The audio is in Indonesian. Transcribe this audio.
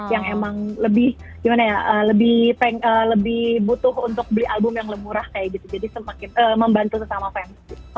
yang emang lebih gimana ya lebih butuh untuk beli album yang lebih murah kayak gitu jadi semakin membantu sesama fans